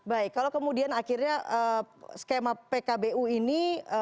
baik kalau kemudian akhirnya skema pkbu ini